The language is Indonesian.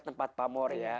tempat pamor ya